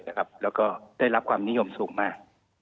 แล้วก็ได้รับความนิยมสูงมาก